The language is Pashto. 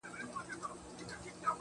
زموږه دوو زړونه دي تل د محبت مخته وي~